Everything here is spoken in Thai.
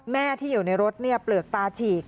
แม่ที่อยู่ในรถเปลือกตาฉีก